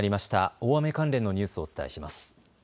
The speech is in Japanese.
大雨関連のニュースをお伝えします。